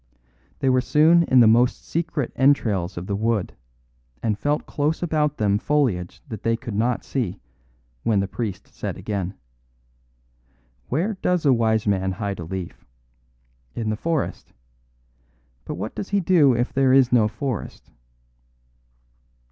They were soon in the most secret entrails of the wood, and felt close about them foliage that they could not see, when the priest said again: "Where does a wise man hide a leaf? In the forest. But what does he do if there is no forest?"